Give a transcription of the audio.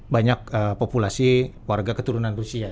banyak populasi warga keturunan rusia